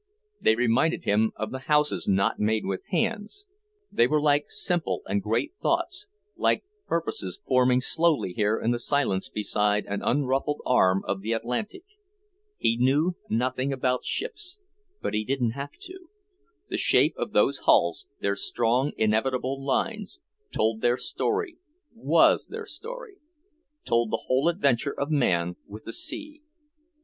They reminded him of the houses not made with hands; they were like simple and great thoughts, like purposes forming slowly here in the silence beside an unruffled arm of the Atlantic. He knew nothing about ships, but he didn't have to; the shape of those hulls their strong, inevitable lines told their story, WAS their story; told the whole adventure of man with the sea.